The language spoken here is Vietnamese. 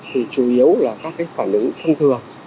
thì chủ yếu là các cái phản ứng thông thường